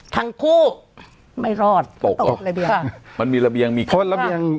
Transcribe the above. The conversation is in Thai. ทั้งคู่ไม่รอดตกระเบียงค่ะมันมีระเบียงมีคนระเบียง